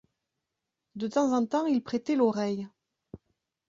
De temps en temps ils prêtaient l’oreille.